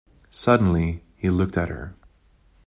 Suddenly he looked at her.